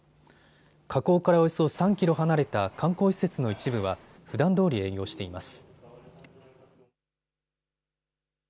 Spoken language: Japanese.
火口からおよそ３キロ離れた観光施設の一部はふだんどおり営業しています。